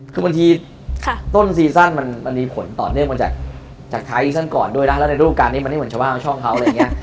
คือบางทีต้นซีซั่นมันมีผลต่อเนื่องมาจากท้ายซั่นก่อนด้วยนะแล้วในรูปการณ์นี้มันไม่เหมือนชว้างช่องเขา